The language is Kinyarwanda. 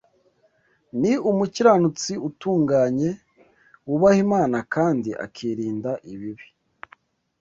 ni umukiranutsi utunganye, wubaha Imana kandi akirinda ibibi.